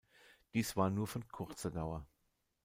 Dies war nur von kurzer Dauer.